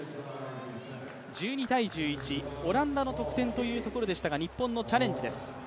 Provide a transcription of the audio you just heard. １２−１１、オランダの得点というところでしたが、日本のチャレンジです。